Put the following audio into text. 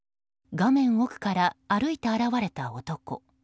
画面奥から歩いて現れた男。